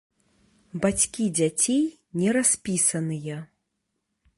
Бацькі дзяцей не распісаныя.